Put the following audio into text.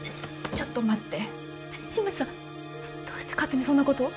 ちょっと待って新町さんどうして勝手にそんなことを？